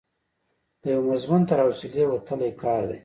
د یوه مضمون تر حوصلې وتلی کار دی.